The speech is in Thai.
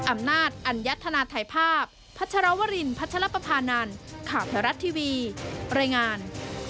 อำนาจอัญญาติธนาธิภาพพัชรวรินทร์พัชลปภานานขาวพระรัชทีวีรายงาน